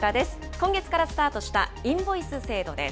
今月からスタートしたインボイス制度です。